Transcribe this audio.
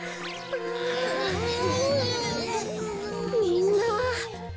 みんな。